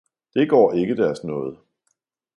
Det går ikke, Deres nåde!